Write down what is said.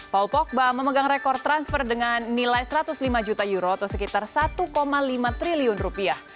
paul pogba memegang rekor transfer dengan nilai satu ratus lima juta euro atau sekitar satu lima triliun rupiah